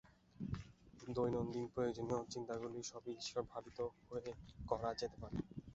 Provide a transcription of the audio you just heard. দৈনন্দিন প্রয়োজনীয় চিন্তাগুলি সবই ঈশ্বর-ভাবিত হয়ে করা যেতে পারে।